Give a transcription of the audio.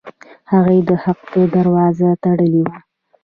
هغوی د حق دروازه تړلې وه.